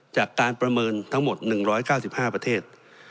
จากการประเมินทั้งหมด๑๙๕ประเทศ